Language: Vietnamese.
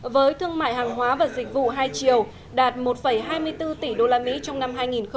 với thương mại hàng hóa và dịch vụ hai triệu đạt một hai mươi bốn tỷ usd trong năm hai nghìn một mươi bảy